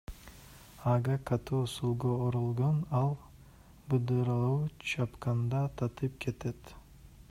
Ага катуу сүлгү оролгон, ал быдыралуу, чапканда тытып кетет.